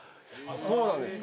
そうなんですか。